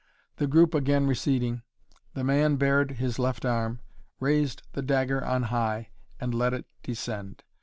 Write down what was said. The group again receding, the man bared his left arm, raised the dagger on high and let it descend.